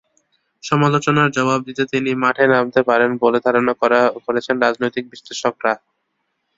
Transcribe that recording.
সমালোচনার জবাব দিতে তিনি মাঠে নামতে পারেন বলে ধারণা করছেন রাজনৈতিক বিশ্লেষকেরা।